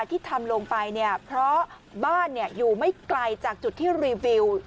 ที่ทำลงไปเนี่ยเพราะบ้านอยู่ไม่ไกลจากจุดที่รีวิว